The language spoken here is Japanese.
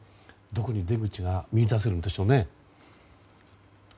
どこに出口が見いだせるでしょう。